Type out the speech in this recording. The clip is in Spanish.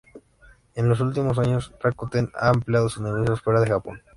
En los últimos años, Rakuten ha ampliado sus negocios fuera de Japón.